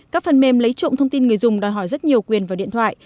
các phần mềm lấy trộm thông tin người dùng đòi hỏi rất nhiều quyền vào điện thoại